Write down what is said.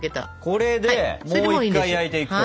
ここでもう一回焼いていくと。